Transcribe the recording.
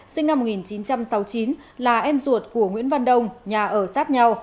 sinh năm một nghìn chín trăm sáu mươi chín là em ruột của nguyễn văn đông nhà ở sát nhau